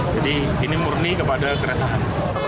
jadi ini murni kepada keresahan